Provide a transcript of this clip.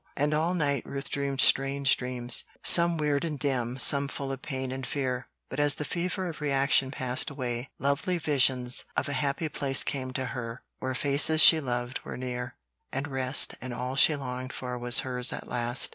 And all night Ruth dreamed strange dreams, some weird and dim, some full of pain and fear; but as the fever of reaction passed away, lovely visions of a happy place came to her, where faces she loved were near, and rest, and all she longed for was hers at last.